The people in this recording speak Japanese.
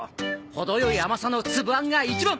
程良い甘さの粒あんが一番！